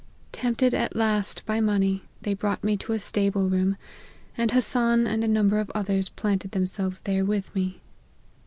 Tempted, at last, by money, they brought me to a stable room, and Hassan and a number of others planted themselves there with me.